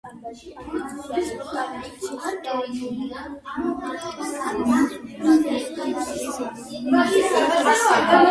იცავდა „არეცოს“, „ტორინოს“, „ფიორენტინას“, „რომას“, „უდინეზეს“ და იტალიის ეროვნული ნაკრების ღირსებას.